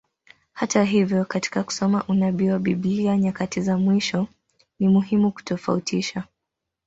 Hata hivyo, katika kusoma unabii wa Biblia nyakati za mwisho, ni muhimu kutofautisha.